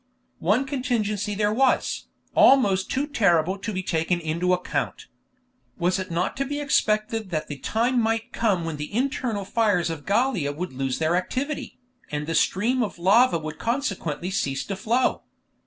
One contingency there was, almost too terrible to be taken into account. Was it not to be expected that the time might come when the internal fires of Gallia would lose their activity, and the stream of lava would consequently cease to flow?